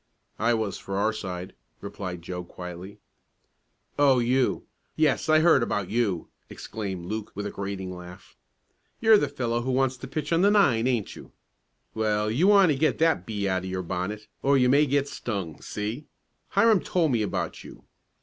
"I was for our side," replied Joe quietly. "Oh, you yes I heard about you!" exclaimed Luke with a grating laugh. "You're the fellow who wants to pitch on the nine; ain't you? Well, you want to get that bee out of your bonnet, or you may get stung, see? Hiram told me about you.